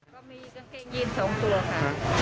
ก็มีกางเกงยีน๒ตัวค่ะ